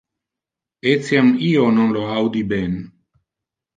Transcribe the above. Etiam io non lo audi ben.